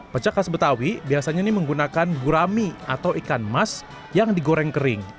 pecak khas betawi biasanya ini menggunakan gurami atau ikan mas yang digoreng kering